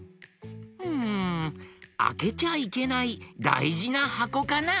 うんあけちゃいけないだいじなはこかな？